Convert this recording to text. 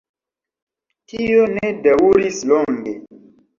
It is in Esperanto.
Tio ne daŭris longe.